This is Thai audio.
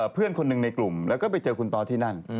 เพื่อนคนหนึ่งในกลุ่มแล้วก็ไปเจอคุณตอที่นั่น